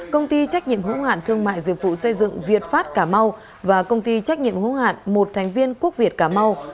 công ty trách nhiệm hữu hạn thương mại dịch vụ xây dựng việt pháp cảmau và công ty trách nhiệm hữu hạn một thành viên quốc việt cảmau